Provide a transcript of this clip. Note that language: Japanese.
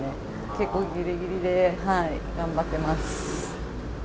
結構ぎりぎりで頑張ってます。